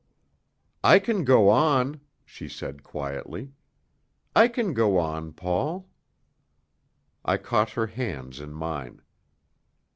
"I can go on," she said quietly. "I can go on, Paul." I caught her hands in mine.